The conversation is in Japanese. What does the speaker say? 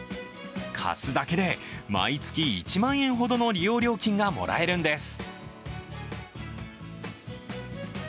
貸すだけで毎月１万円ほどの利用料金がもらえるんです。